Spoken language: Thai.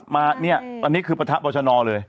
มาเนี่ยอันนี้คือปะทะบอชนเลย